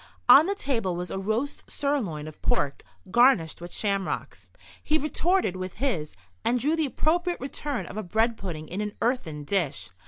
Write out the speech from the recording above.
On the table was a roast sirloin of pork, garnished with shamrocks. He retorted with this, and drew the appropriate return of a bread pudding in an earthen dish.